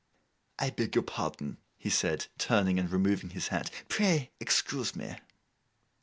'I beg your pardon,' he said, turning and removing his hat; 'pray excuse me.